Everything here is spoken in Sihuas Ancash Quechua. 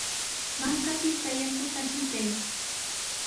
Mankapita yakuta hitray.